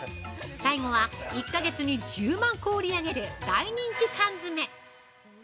最後は１か月に１０万個売り上げる大人気缶詰。